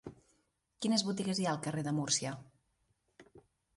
Quines botigues hi ha al carrer de Múrcia?